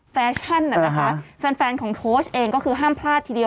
แฟชั่นน่ะนะคะแฟนแฟนของโค้ชเองก็คือห้ามพลาดทีเดียว